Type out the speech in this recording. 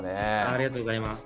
ありがとうございます。